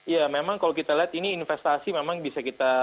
ya memang kalau kita lihat ini investasi memang bisa kita